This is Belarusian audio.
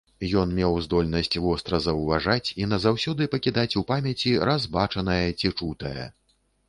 Ён меў здольнасць востра заўважаць і назаўсёды пакідаць у памяці раз бачанае ці чутае.